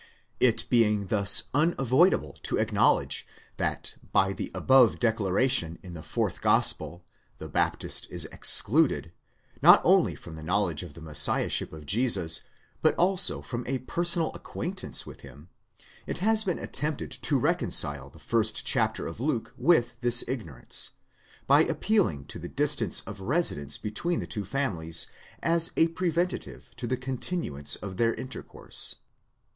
1* It being thus unavoidable to acknowledge that by the above declaration in the fourth Gospel, the Baptist is excluded, not only from a knowledge of the Messiah ship of Jesus, but also from a personal acquaintance with him ; it has been attempted to reconcile the first chapter of Luke with this ignorance, by appealing to the distance of residence between the two families, as a preven tive to the continuance of their intercourse.